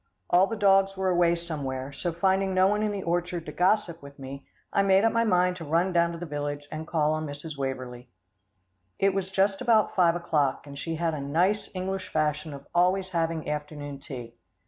All the dogs were away somewhere, so finding no one in the orchard to gossip with me, I made up my mind to run down to the village and call on Mrs. Waverlee. It was just about five o'clock, and she had a nice English fashion of always having afternoon tea.